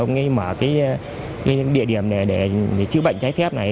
ông ấy mở cái địa điểm này để chữa bệnh trái phép này